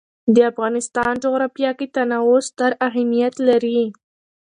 د افغانستان جغرافیه کې تنوع ستر اهمیت لري.